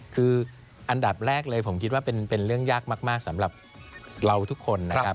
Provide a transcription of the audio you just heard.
คืออันดับแรกเลยผมคิดว่าเป็นเรื่องยากมากสำหรับเราทุกคนนะครับ